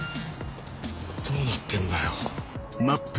どうなってんだよ。